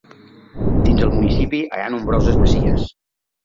Dins el municipi hi ha nombroses masies.